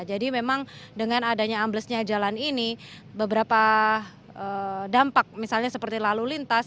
jadi memang dengan adanya amblesnya jalan ini beberapa dampak misalnya seperti lalu lintas